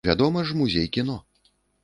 Вядома ж, музей кіно.